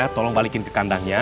tolong balikin ke kandangnya